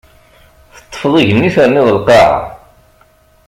Teṭṭfeḍ igenni terniḍ lqaɛa!